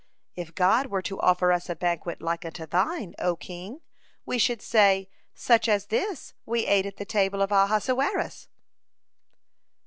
If God were to offer us a banquet like unto thine, O king, we should say, Such as this we ate at the table of Ahasuerus."